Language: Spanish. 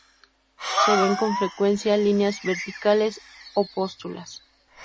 Se ven con frecuencia líneas verticales o pústulas.